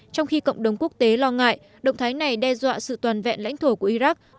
trong khi cộng đồng quốc tế lo ngại động thái này đe dọa sự toàn vẹn lãnh thổ của iraq